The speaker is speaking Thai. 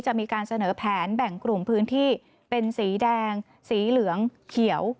จะมีการเสนอแผนแบ่งกลุ่มพื้นที่เป็นสีแดงสีเหลืองเขียว